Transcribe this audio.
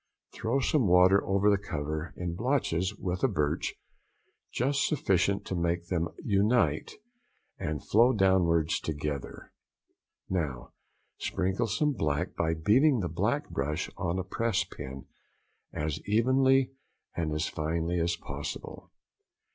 Throw some water over the cover in blotches with the birch, just sufficient to make them unite and flow downwards together. Now sprinkle some black by beating the black brush on a press pin, as evenly and as finely as possible.